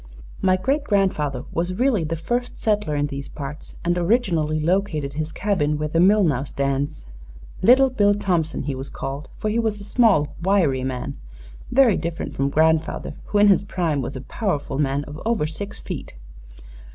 My great grandfather was really the first settler in these parts and originally located his cabin where the mill now stands. 'Little Bill Thompson,' he was called, for he was a small, wiry man very different from grandfather, who in his prime was a powerful man of over six feet.